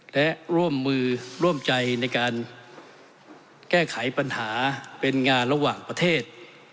และร่วมมือร่วมใจในการแก้ไขปัญหาเป็นงานระหว่างประเทศ